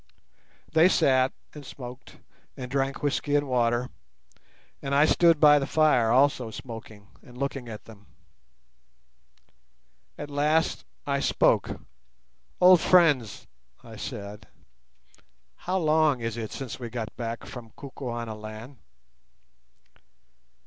They sat and smoked and drank whisky and water, and I stood by the fire also smoking and looking at them. At last I spoke. "Old friends," I said, "how long is it since we got back from Kukuanaland?"